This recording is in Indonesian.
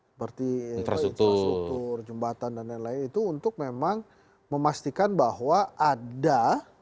seperti infrastruktur jembatan dan lain lain itu untuk memang memastikan bahwa ada